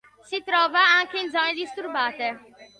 Si trova anche in zone disturbate.